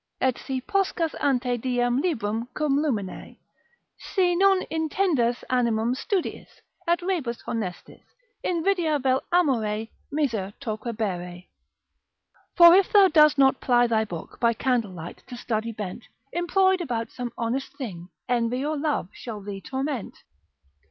———et si Poscas ante diem librum cum lumine, si non Intendas animum studiis, et rebus honestis, Invidia vel amore miser torquebere.——— For if thou dost not ply thy book, By candlelight to study bent, Employ'd about some honest thing, Envy or love shall thee torment.